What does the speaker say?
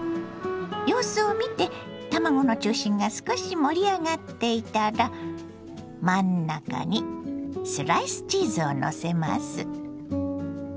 様子を見て卵の中心が少し盛り上がっていたら真ん中にスライスチーズをのせます。